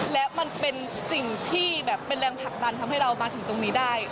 และมันเป็นสิ่งที่แบบเป็นแรงผลักดันทำให้เรามาถึงตรงนี้ได้